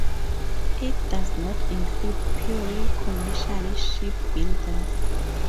It does not include purely commercial shipbuilders.